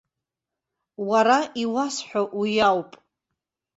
Уара иуасҳәо уи ауп.